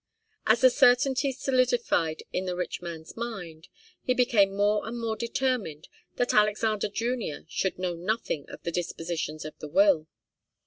As the certainty solidified in the rich man's mind, he became more and more determined that Alexander Junior should know nothing of the dispositions of the will.